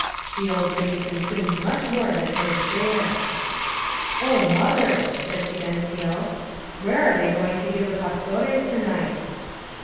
The old lady consumed much more than her share. .•. 0h, mother!" said Fidencio. Where are they go ing to give the Pastores to night?"